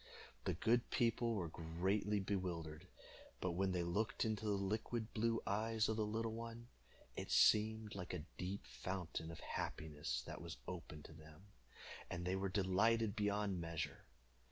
The good people were greatly bewildered; but when they looked into the liquid blue eyes of the little one, it seemed like a deep fountain of happiness that was opened to them, and they were delighted beyond measure.